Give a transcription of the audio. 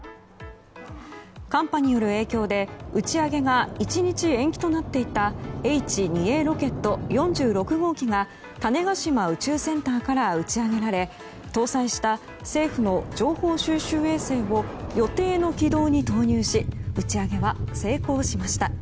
寒波による影響で打ち上げが１日延期となっていたＨ２Ａロケット４６号機が種子島宇宙センターから打ち上げられ搭載した政府の情報収集衛星を予定の軌道に投入し打ち上げは成功しました。